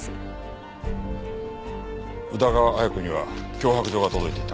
宇田川綾子には脅迫状が届いていた。